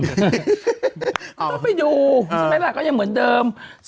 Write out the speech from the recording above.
ก็ต้องไปดูใช่ไหมล่ะก็ยังเหมือนเดิม